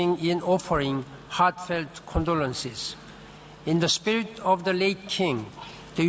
ในความรับใจของพระเจ้าเชื่อว่าหลักศึกษาเชิงกับภารกิจไทยและภูมิธรรมไทย